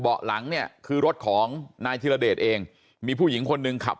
หลังเนี่ยคือรถของนายธิรเดชเองมีผู้หญิงคนหนึ่งขับ